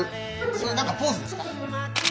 それ何かポーズですか？